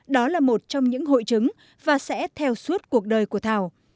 đó là một trong những hội chứng và sẽ theo suốt cuộc đời của thảo